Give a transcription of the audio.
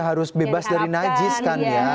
harus bebas dari najis kan ya